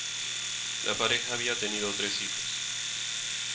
La pareja había tenido tres hijos.